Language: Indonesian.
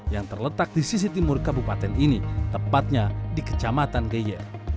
yang terletak di sisi timur kabupaten ini tepatnya di kecamatan geyer